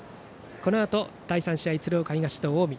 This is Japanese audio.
このあと第３試合は鶴岡東と近江。